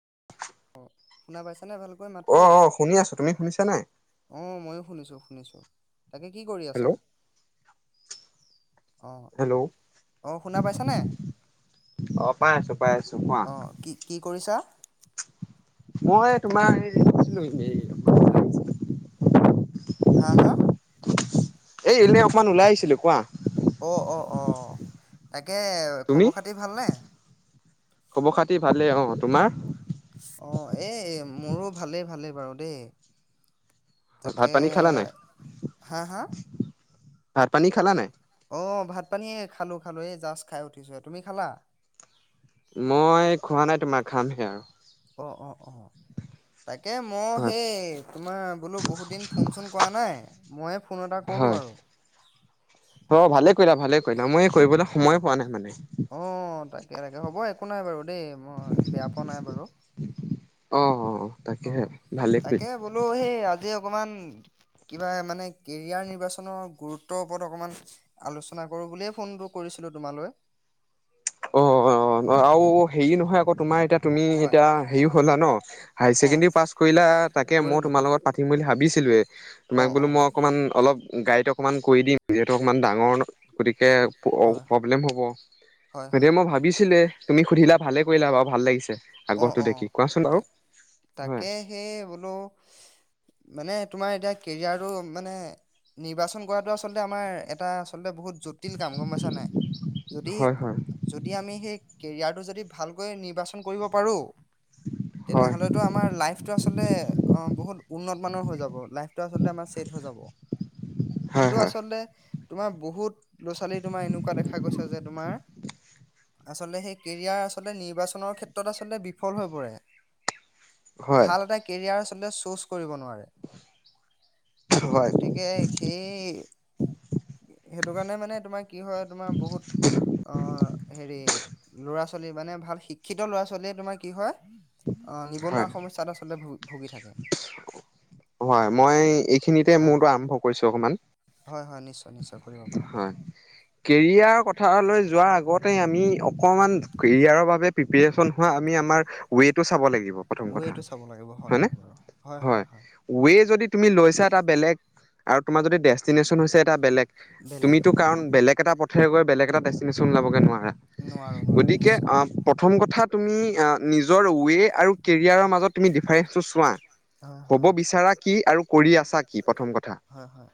[inaudible] শুনা পাইছানে ভালকৈ অ', মাতটো অ', শুনি আছো তুমি শুনিছা নাই? অ মই শুনিছো শুনিছো তাকে কি কৰি হেল্ল' আছা অ', হেল্ল' অ', শুনা পাইছানে? আহ পাই আছো পাই আছো কোৱা অ', কি কি কৰিছা? মই তোমাৰ হছিলো এনে [unintelligible] হা হা এই এনেই, অকমান ওলাই আহিছিলো কোৱা। অ, অ, অ, তাকে তাকে আৰু, তুমি খবৰ খাতি ভালনে? খবৰ খাতি ভালেই, অ, তোমাৰ? অ', এই মোৰো ভালে, ভালে বাৰু দেই। ভাত তাকে পানী খালা নাই হে, হা, হা ভাত, পানী খালা নাই? অ, ভাত পানী খালো, খালো এই জাষ্ট খাই উঠিছো, তুমি খালা? মই খোৱা নাই তোমাৰ, খাম এতিয়া। অ, অ। অ, তাকে মই, হয় সেই তোমাৰ বোলো, বহুত দিন ফোন, চোন কৰা নাই। মই হয়। অ, ভালে কৰিলা, ভালে সেইনা মই, [unintelligible] কৰিবলৈ সময় পোৱা নাই, মানে তে তাকে হ'ব, একো নাই বাৰু, দেই, মই বেয়া পোৱা নাই বাৰু। অ, অ, অ। অ, তাকে বোলো, সেই আজি আজি অকমান, কিবা মানে কেৰিয়াৰ নিৰ্বাচনৰ, গুৰুত্বৰ ওপৰত, অকমান আলোচনা কৰো, বুলিয়ে ফোনটো কৰিছিলো তোমালৈ। অ, অ আৰু হেৰি নহয় আকৌ তোমাৰ এতিয়া তুমি হয় এতিয়া হেৰি হ'লা ন, হাইাৰ অ', ছেকেণ্ডেৰী পাছ কৰিলা, তাকে মই কৰিলোঁ তোমাৰ কৰিলোঁ। লগত পাতিম বুলি ভাবিছিলোৱে, তোমাক অ', বোলো অ', মই অকণমান অলপ গাড়ীটো অকণমান কৰি দিম, যিহেতু অকণমান ডাঙৰ গতিকে। সেই, হয় হয় প্ৰব্লেম হ'ব। হয় হয় তেতিয়া, মই ভাবিছিলো তুমি সুধিলা, ভালে কৰিলা, বাৰ ভাল লাগিছে। অ, আগ্ৰহটো অ, দেখি কোৱাচোন বাৰু তাক, হয় তাকে সেই, বোলো মানে তোমাৰ এতিয়া কেৰিয়াৰটো, মানে নিৰ্বাচন কৰাতটো আচলতে, আমাৰ এটা আচলতে বহুত জটিল কাম গম পাইছা নাই। যদি, হয় হয় যদি, আমি সেই কেৰিয়াৰটো যদি, ভালকৈ নিৰ্বাচন কৰিব পাৰোঁ। হয় তেনেহলেতো আমাৰ লাইফটো, আচলতে বহুত উন্নত মানৰ হৈ যাব, লাইফটো আচলতে আমাৰ ছেট হৈ যাব। হয় কিন্তু আচলতে তোমাৰ বহুত ল'ৰা, ছোৱালী তোমাৰ এনেকুৱা দেখা গৈছে যে, তোমাৰ আচলতে, সেই কেৰিয়াৰ আচলতে নিৰ্বাচনৰ ক্ষেত্ৰত ত, আচলতে বিফল হৈ পৰে। হয় হয় ভাল, এটা কেৰিয়াৰ তে, চুজ কৰিব নোৱাৰে। হয় গতিকে, সেই সেইটো কাৰণে মানে, তোমাৰ কি হয়, তোমাৰ বহুত আহ, হেৰি, লৰা ছোৱালী মানে ভাল শিক্ষিত ল'ৰা চলেই তোমাৰ কি হয় অ নিবনুৱা সমস্যাত আচলতে ভু ভুগি থাকে হয় মই এইখিনিতে অ মোৰতো আৰম্ভ কৰিছো অকমান হয় হয় নিশ্চয় নিশ্চয় কৰিব পাৰা হয় কেৰিয়াৰ কথা যোৱাৰ আগতে আমি অকমান কেৰিয়াৰৰ বাবে প্ৰিপৰেচন হোৱা আমি আমাৰ ৱেটো চাব লাগিব প্ৰথম কথা ৱটো চাব লাগিব হয় হয়নে হয় বাৰু হয় হয় ৱে যদি তুমি লৈছা এটা বেলেগ আৰু তুমাৰ যদি ডেষ্টিনেশচন হৈছে এটা বেলেগ বেলেগ তুমিতো কাৰণ বেলেগ একটা পথে গৈ বেগ এটা ডেষ্টিশ্যন লাবগৈোৱাৰা নোৱাৰো নোৱাৰো গতিকে নিশ্চয় অ প্ৰ প্ৰথম কথা তুমি নি য্বৰ ৱে আৰু য়াৰৰ মাজত তুমি ডিফাৰেনছ চোৱা হয় হ'ব হয় বিচাৰা কি আৰু কৰি আছা কি প্ৰথম কথা হয় হয়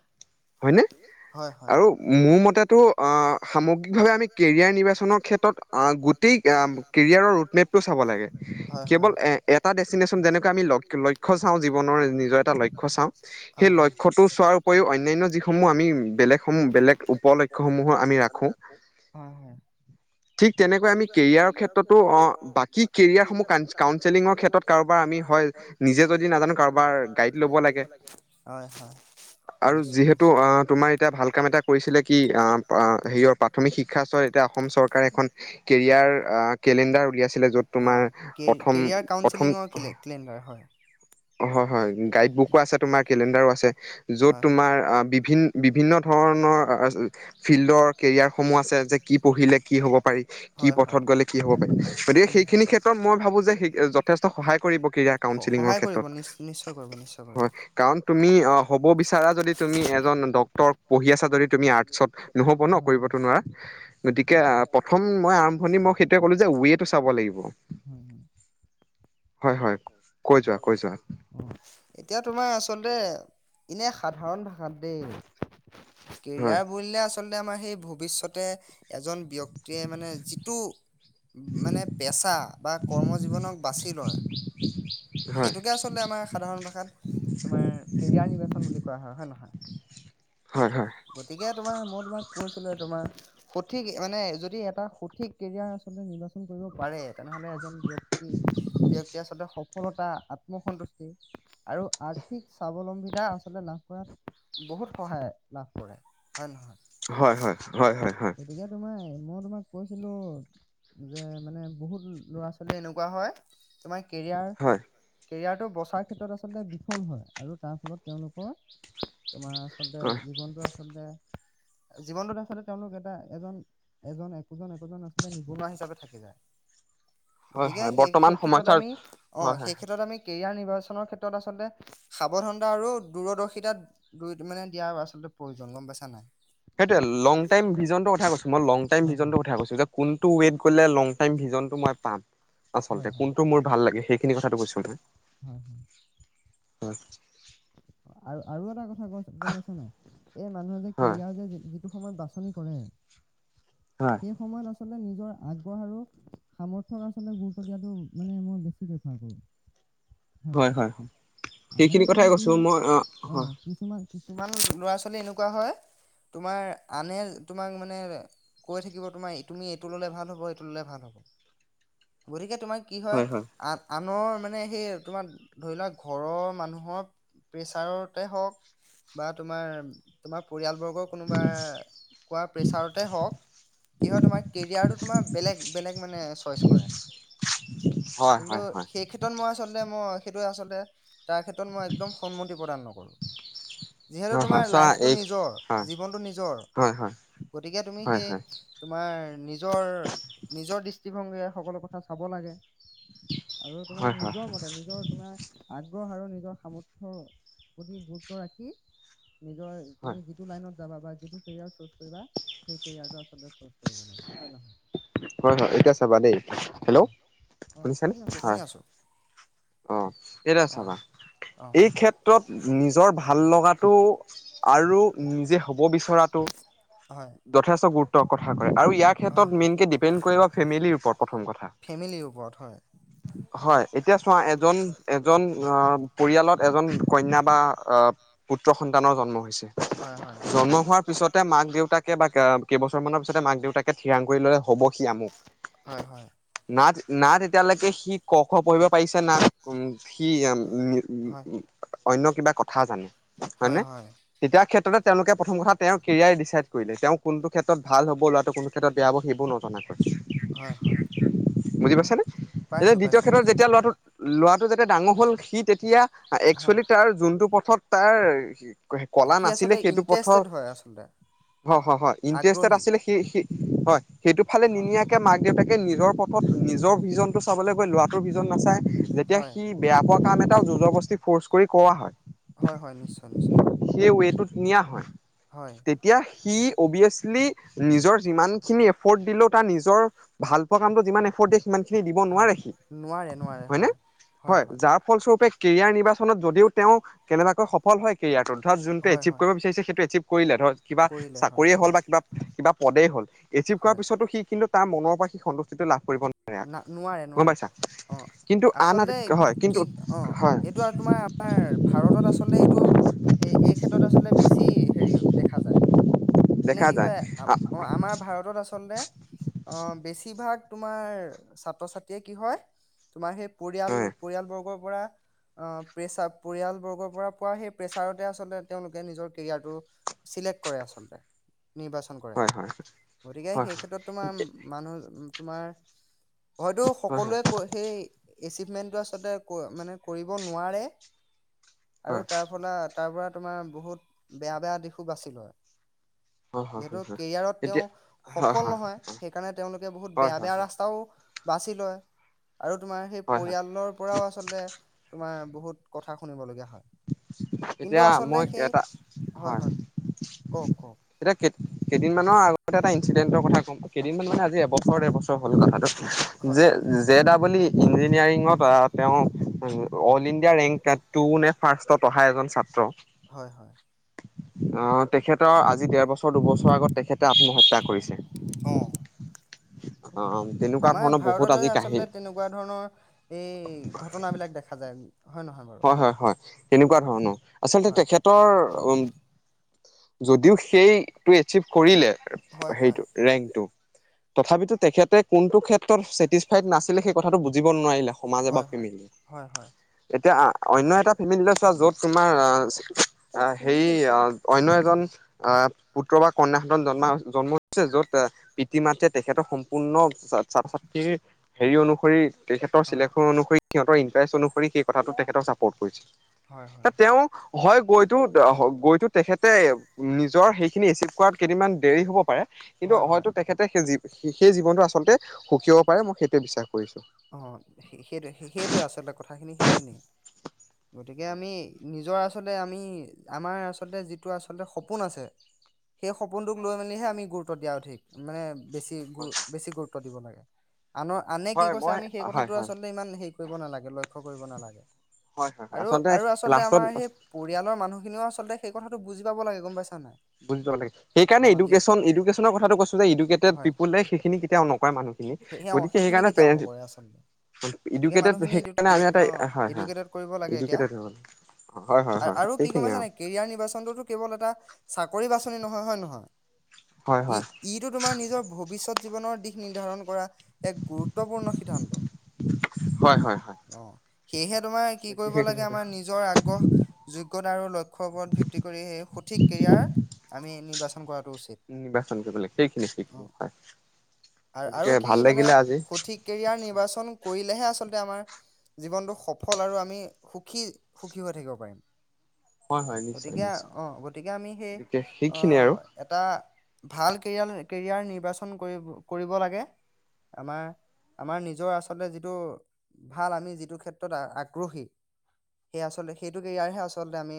হয় হয় হয় আৰু মোৰ মটো অ সামগ্ৰিকভাৱে আমি কেৰিয়াৰ নিৰ্বাচনৰ ক্ষেত্ৰত গোটেই কেৰিয়াৰৰ ৰৰুটমেপটো চাব লাগে হয় হয় কেৱল এ এটা ডেষ্টিনেশ্যন যেনেকৈ আমি লক্ষ্য চাওঁ জীৱনৰ নিজৰ এটা লক্ষ্য চাওঁ হয় সেই হয় লক্ষ্য টো চোৱাৰ উপৰিও অন্যান্য যিসমূহ আমি বেলেগ সমূহ বেলেগ উপলক্ষ্সমূহৰ আমি ৰাখো ঠিক তেনেকে আমি আমি কেৰিয়াৰ ক্ষেত্ৰতো অ বাকী য কি হেৰ প্ৰাথমিক হয় হয় শিক্ষাৰৰত নিশ্চয় এয়া নিশ্চয় অসম চৰকাৰে এখন কেৰিয়াৰ কেলেণ্ডাৰ উলিয়াইছিলে য'ত অ তোমাৰ প্ৰথম কেৰিয়াৰ প্ৰথম কাচেলিঙৰ কেলেডাৰ হয় হয় হয় গাইড বুকো উম, আছে তোমাৰ কেলেণ্ডাৰো আছে য'ত হয়, হয়। তোমাৰ ফিল্ড বিভিন্ন ধৰণৰ ফিল্ডৰ কেৰিয়াৰসমূহ আছে, যে কি পঢ়িলে কি হ'ব পাৰি। কি হয়, পথত হয়। গ'লে কি হ'ব পাৰি, গতিকে উম। সেইখিনি ক্ষেত্ৰত মই ভাবো যে সেই - যথেষ্ট সহায় কৰিব- কেৰিয়াৰ ক্ৰাউঞ্চিলঙৰ ক্ষেত্ৰ নি নিশ্চয় কৰিব, নিশ্চয় কৰিব। তুমি অ- হ'ব বিচাৰা যদি তুমি এজন ড্ক্তৰ- পঢ়ি আছা। যদি তুমি আৰ্টছত নহব ন কৰিব টো নোৱৰা, গতিকে অহ প্ৰথম মই আৰম্ভণি মই সেইটোৱে কলোঁ যে ৱে টো চাব লাগিব। হয়, হয়। কৈ যোৱা কৈ যোৱা এতিয়া তোমাৰ আচলতে- এনে সাধাৰণ ভাষাত দেই- হয় কেৰিয়াৰ বুলিলে, আছ চলতে আমাৰ হেই ভবিষ্যতে, এজন ব্যক্তি ক্তিয়ে মানে যিটো, মানে পেচা বা কৰ্ম জীৱনক বাচি লয়, হয় সেইটোকে আচলতে আমাৰ সাধাৰণ ভাষাত তোমাৰ, কেৰিয়াৰ নিৰ্বাচন বুলি কোৱা হয়। হয়নে নহয়? হয় হয় গতিকে তোমাৰ, মই তোমাক কৈছিলোৱে তোমাৰ, সঠিক মানে, যদি এটা সঠিক কেৰিয়াৰ আচলতে নিৰ্বাচন কৰিব পাৰে। তেনেহলে এজন ব্যক্তি, ব্যক্তি আচলতে সফলতা, আত্মসন্তুষ্টি, আৰু আৰ্থিক স্বাৱলম্বী সেয়া আচলতে লাভ কৰাত বহুত সহায়- লাভ কৰে। হয় নহয় হয়-হয়, হয়-হয়-হয়। গতিকে তোমাৰ মই তোমাক কৈছিলো, যে মানে, বহুত ল'ৰা ছোৱালী এনেকুৱা হয়, তোমাক কেৰিয়াৰ হয় কেৰিয়াৰটো বচাৰ ক্ষেত্ৰত আচলতে বিফল হয়, আৰু তাৰ ফলত তেওঁলোকৰ তোমাৰ, আচলতে হয় আচলতে জীৱনটোত আচলতে, তেওঁলোক এটা, এজন, এজন একোজন-একোজন আচলতে নিবনুৱা হিচাপে থাকি যায়। হয় গতিকে হয় সেই বৰ্তমান সেই ক্ষেত্ৰত সমস্যাৰ আমি, অ। হয় সেই হয় ক্ষেত্ৰত আমি কেৰিয়াৰ নিৰ্বাচনৰ ক্ষেত্ৰত আচলতে, সাৱধানতা আৰু দূৰদৰ্শিতা দুইটা মানে দিয়া আৰু আচ চলতে প্ৰয়োজন। গম পাইছা নে নাই? সেইটোৱে। লং টাইম ভিজনটোৰ কথা কৈছো মই, লং টাইম হয় হয় ভিজনটোৰ কথা কৈছো। যে, কোনটো ৱেইট গলে লং টাইম ভিজনটো মই পাম? আচল হয় হয় কোনটো মোৰ ভাল লাগে? সেইখিনি কথাটো কৈছো মই। হয় হয় হয়। আৰু আৰু এটা কথা কৈছো গম পাইছা নে নাই? এই মানুহে যে হয় কেৰিয়াৰ যে সেইটো সময়ত বাছনি কৰে, হয় সেই সময়ত আচলতে আচলতে নিজৰ আগ্ৰহ আৰু সামৰ্থক আচলতে গুৰুত্ব দিয়াটো, মানে মই বেছি প্ৰেফাৰ কৰোঁ। হয় হয় হয় সেইখিনি কথাই কৈছো, মই অহ অহ কিছুমান কিছুমান ল'ৰা ছোৱালী এনেকুৱা হয়, তোমাৰ আনে তোমাক মানে কৈ থাকিব, তোমাৰ তুমি এইটো ললে ভাল হব এইটো ললে ভাল হব। গতিকে তোমাৰ কি হয়, আ আনৰ মানে সেই, তোমাৰ ধৰি, লোৱা ঘৰৰ মানুহক প্ৰেচাৰতে হওঁক, বা তোমাৰ, তোমাৰ পৰিয়ালবৰ্গ আকৌ কোনোবাই কোৱা প্ৰেছৰটে হওঁক, কি হয় তোমাৰ? কেৰিয়াৰ টো তোমাৰ বেলেগ-বেলেগ মানে চইচ কৰে। হয় কিন্তু হয় হয় হয় সেই ক্ষেত্ৰত মই আচলতে মই সেইটোৱে আচলতে তাৰ ক্ষেত্ৰত মই একদম স কম মন্ত্ৰী প্ৰদান নকৰো যিহেতু হয় হয় তোমাৰ চোৱা এই নিজৰ হয় জীন নিজৰ হয় হয় গতিকে তুমি হয় সেই হয় তোমাৰ নিজৰ নিজৰ দৃষ্টিভংগে সকলো কথা চাব লাগে আৰু তোমাৰ হয় হয় নিজৰ হয় মতে নিজৰ তোমাৰ আগ আগ্ৰহ আৰু নিজৰ সামগ্ৰী উম প্ৰতি গুৰুত্ব ৰাখি নিজৰ তুমি যিটো লাইনত যাব বা যিটো কেৰিয় চুচ কৰিবা সেই কেৰিয় হয় হয় এতিয়া চাবা দেই হেল্ল' অ অ অ শুনিছানে শুনি আছো শুনি হয় আছো অ এতিয়া অ চাবা অ এই ক্ষেত্ৰত ভাল লগাটো আৰু নিজে হ'ব বিচৰাতো হয় যথেষ্ট গুৰুত্ব ক কথা কৰে আৰু ইয়াৰ ক্ষেত্ৰত মেইনকে ডিপেণ্ড কৰিব ফেমিলিৰ ওপৰত প্ৰথম কথা ফেমিলীৰ ওপৰত হয় হয় এতিয়া চোৱা এজন এজন পৰিয়ালত এজন কন্যা বা পুত্ৰ সন্তানৰ জন্ম হৈছে হয় হয় জন্ম হোৱাৰ পিছতে মাক দেউতাকে বা কেইবছৰ মানৰ পিছতে মাক দেউতাকে ঠিৰাং কৰি ললে হব সি আমোক হয় হয় নাট নাট এতিয়ালৈকে সি ক খ পঢ়িব পাৰিছে না সি হয় অন্য কিবা কথা জানে হয় নে তেতিয়া ক্ষেত্ৰতে তেওঁলোকে প্ৰথম কথা তেওঁ কেৰিয়াৰ ডিচাইড কৰিলে তেওঁ কোনটো ক্ষেত্ৰত ভাল হ'ব ল'ৰাটো ক্ষেত্ৰত বেয়া হ'ব সেইবোৰ নজনাকৈ হয় হয় বুজি পাইছ নে এতিয়া পাইছো দ্বিতীয় পাইছো ক্ষেত্ৰত নিশ্চয় যেতিয়া লৰাটো ল'ৰাটো যাতে ডাঙৰ হ'ল সি তেতিয়া হয় একচুৱেলি তাৰ যোনটো পথত তাৰ কলা সি নাছিল আচলতে সেইটো ইণ্টাৰেষ্টেড পথত হয় আচলতে হয় হয় ইনট্ৰেজ আগ্ৰহী আছিলে সি সি হয়। সেইটো ফালে অ নিনিয়াকে মাক-দেউতাকে। এ নিজৰ পথত নিজৰ ভিজনটো চাবলৈ গৈ ল'ৰাটোৰ ভিজন নাচায়। যেতিয়া হয় সি বেয়া পোৱা কাম এটা। জুৰ-জোবৰদোস্তি ফৰ্চ কৰি কুৰুৱা হয়। হয়, হয় নিশ্চয় নিশ্চয়। সেই ৱেটোত নিয়া হয়। হয় তেতিয়া। সি অভিয়াছিলি। নিজৰ যিমানখিনি এফৰ্ট দিলেও তাৰ নিজৰ ভাল পোৱা কামটো যিমান এফৰ্ট দিয়ে। সিমান খিনি দিব হয় নোৱাৰে সি, হয় নে হয় যাৰ ফলস্বৰূপে। কেৰিয়াৰ নিৰ্বাচনত যদিও তেওঁ কেনেবাকৈ সফল হয় কেৰিয়াক। শ্ৰদ্ধাত যোনটো হয় এচিভ হয় কৰিব বিচাৰছে সেইটো এচিভ। কৰিলে ধৰ। কিবা কৰিলে হয় চাকৰিয়ে হ'ল বা কিবা। কিবা পদেই হ'ল। এচিভ কৰাৰ হয় পিছতো সি কিন্তু। তাৰ মনৰ পৰা সি সন্তুষ্টিটো লাভ। কৰিব নোৱাৰে না নোৱাৰে, গম নোৱাৰে। পাইছা অ', কিন্তু আচলতে আনহাতে হয় কিন্তু কি অ হয় এইটো আৰু তোমাৰ আমাৰ ভাৰতত আচলতে এইটো এই এই ক্ষেত্ৰত আচলতে বেছি হেৰি দেখা যায়। মানে দেখা কি যায় হয় অ' আমাৰ ভাৰতত আচলতে অ', বেছিভাগ। তোমাৰ। ছাত্ৰ-ছাত্ৰীয়ে কি হয় তোমাৰ সেই। পৰিয়াল হয় পৰিয়ালবৰ্গক। পৰা অ', প্ৰেচাব পৰিয়াল বৰ্গৰ পৰা পোৱা সেই প্ৰেচাৰতে আচলতে তেওঁলোকে নিজৰ কেৰিয়াৰটো চিলেক্ট কৰে আচলতে। নিৰ্বাচন কৰে, হয় হয় গতিকে হয় হয় সেই ক্ষেত্ৰত তোমাৰ মানুহ। তোমাৰ। হয়তো হয় হয় সকলোৱে কয় সেই। এচিভমেণ্টটো আচলতে ক মানে কৰিব নোৱাৰে। আৰু তাৰ ফলাত। তাৰ পৰা তোমাৰ বহুত বেয়া বেয়া দিশো বাচি লয়। হয় হয় যিহেতু হয় কেৰিয়াৰত তেওঁ এতিয়া হয় সফল হয় নহয় সেইকাৰণে তেওঁলোকে বহুত হয় বেয়া হয় বেয়া হয় ৰাস্তাও বাচি লয়। আৰু তোমাৰ সেই হয় হয় পৰিয়ালৰ পৰাও আচলতে তোমাৰ বহুত কথা শুনিবলগীয়া হয়। কিন্তু এতিয়া আচলতে মই সেই এটা হয়, কওক কওক এতিয়া কেইদিনমানৰ আগতে এটা এক্সিডেণ্টৰ কথা কম, কেইদিনমান মানে আজি এবছৰ ডেৰ বছৰ হ'ল কথাটো হয় জে জে -ডাবল- ই ইঞ্জিনিয়াৰিঙত তেওঁ অল ইণ্ডিয়া ৰেংক টু নে ফাৰ্ষ ত অহা এজন ছাত্ৰ হয় হয় আহ, তেখেতৰ আজি ডেৰবছৰ দুবছৰৰ আগত তেখেতে আত্মহত্যা কৰিছে। অঁ। [inaudible] তেনেকুৱা আমাৰ ধৰণৰ বহুত ভাৰততে আজি কাহি আচলতে তেনেকুৱা ধৰণৰ এই ঘটনাবিলাক দেখা যায়। হয় নহয় বাৰু হয় হয় হয় অ তেনেকুৱা ধৰণৰ। আচলতে হয় তেখেতৰ উ যদিও সেই টো এচিভ কৰিলে হয় হেইৰিটো ৰেংকটো তথাপিতো তেখেতে কোনটো ক্ষেত্ৰত ছেটিছফাইড নাছিলে সেই কথাটো বুজিব নোৱাৰিলে সমাজে বা হয় হয় ফেমিলিয়ে হয় হয় হয় এতিয়া অন্য এটা ফেমিলি লৈ চোৱা, য'ত তোমাৰ আহ হেৰি অন্য এজন আহ পুত্ৰ বা কন্যা সন্তান জন্ম জন্ম হৈছে য'ত পিতৃ-মাতৃয়ে তেখেতৰ সম্পূৰ্ণ ছাত্ৰ ছাত্ৰীৰ হেৰি অনুসৰি তেখেতৰ হয় চিলেকসন অনুসৰি সিহঁতৰ ইণ্টাৰেষ্ট অনুসৰি সে কথাটো তেখেতক চাপৰ্ট কৰিছিল হয় হয় বা তেওঁ হয় গৈতো গৈতো তেখেতে নিজৰ সেইখিনি এচিভ কৰাত কেইদিনমান দেৰি হ'ব পাৰে হয় কিন্তু হয় হয়তো তেখেতে সেই স সেই জীৱনটো আচলতে সুখী হ'ব পাৰে মই সেইটোৱে বিশ্বাস কৰিছো অঁ সেইটো সেইটোৱে আচলতে কথাখিনি সেইখিনিয়ে গতিকে হয় আমি নিজৰ আজ আচলতে আমি আমাৰ আচলতে যিটো আচলতে সপোন আছে। সেই সপোনটোক লৈ মেলিহে আমি গুৰুত্- দিয়া অধিক মানে, বেছি হয়। গুৰু বেছি গুৰুত্ব দিব লাগে। আনৰ আনে কি হয় কৈছ- মই সেই হয় কথাটো হয় আচলতে ইমান কৰিব নালাগে, লক্ষ্য কৰিব নালাগে। হয় হয় হয় আৰু আৰু আচলতে লাষ্টত আমাৰ সেই পৰিয়ালৰ মানুহখিনিও আচলতে সেই কথাটো বুজি পাব লাগে গম পাইছ বুজি পাব লাগে। সেইকাৰণে এডুকেশ্বন, এডুকেশ্যনৰ কথাটো কৈছো যে এডুকেতেত হয় পিপুল সেইখিনি কেতিয়াও নকৰে মানুহখিনি, গতিকে সেইকাৰণে পেৰেন্স পৰে আচল। গতিকে মানুহখিনি ইডি সেইকাৰণে আমি এটা অ হয় হয় ইডুকেতেত কৰিব লাগে এতিয়া এডুকেটেড হয় হয় হয় হয় আৰু কি গম সেইখিনিয়ে পাইছা আৰু নাই কেৰিয়াৰ নিৰ্বাচনটো কেৱল এটা চাক কৰি বাচনি নহয় হয় নহয়? হয় ই হয় ইটো তোমাৰ নিজৰ ভৱিষ্যত জীৱনৰ দিশ নিৰ্ধাৰণ কৰা এক গুৰুত্বপূ- সদ্ধান্ত। হয় হয় হয় অ সেয়েহে তোমাৰ কি গতিকে কৰিব সেইখিনি লাগে আমাৰ নিজৰ আগ্ৰহযোগ্যত। তাৰো লক্ষ উৎসৱত ভিত্তি কৰি সেই সঠিক কেৰিয়াৰ আমি নিৰ্বাচন। কৰাত নিৰ্বাচন কৰিব লাগে। সেইখিনি সেইখিনি হয় আৰু আৰু গতিকে কি ভাল মানে লাগিলে আজি। সঠিক কেৰিয়াৰ নিৰ্বাচন কৰি- লেহে আচলতে আমাৰ জীৱনটো সফল আৰু আমি সুখী সুখী হৈ থাকিব পাৰিম। হয় হয় নিশ্চয় গতিকে নিশ্চয় অহ গতিকে আমি সেই গতিকে সেইখিনিয়ে আৰু অহ এটা। ভাল কেৰিয়াৰ কেৰিয়াৰ নিৰ্বাচন কৰিব কৰিব লাগে। আমাৰ আমাৰ নিজৰ আচলতে যিটো ভাল আমি যিটো ক্ষেত্ৰত আগ্ৰহী সেইয়া আচলতে সেইটো কেৰিয়াৰহে আচলতে আমি-